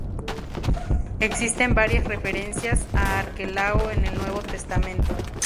Existen varias referencias a Arquelao en el Nuevo Testamento.